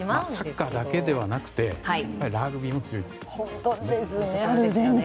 サッカーだけではなくラグビーも強いと。